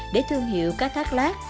để thương hiệu cá thác lát